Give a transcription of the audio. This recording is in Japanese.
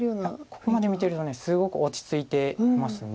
ここまで見てるとすごく落ち着いてます。